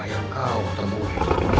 yang kau temui